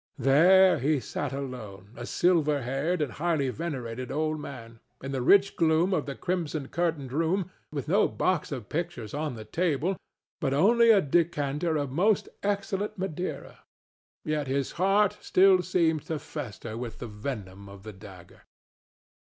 There he sat alone, a silver haired and highly venerated old man, in the rich gloom of the crimsoned curtained room, with no box of pictures on the table, but only a decanter of most excellent Madeira. Yet his heart still seemed to fester with the venom of the dagger.